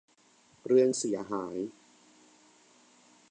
เรื่องเสียหาย